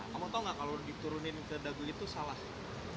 kamu tau nggak kalau diturunin ke dagu itu salah